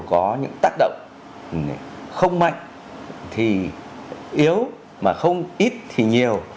có những tác động không mạnh thì yếu mà không ít thì nhiều